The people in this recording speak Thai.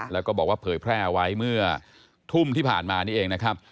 แล้วก็บอกว่าเผยแพร่ไว้เมื่อทุ่มที่ผ่านมานี่เองนะครับ